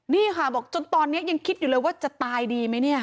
นี่ค่ะบอกจนตอนนี้ยังคิดอยู่เลยว่าจะตายดีไหมเนี่ย